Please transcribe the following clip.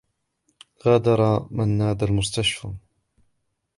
غادر منّاد المستشفى.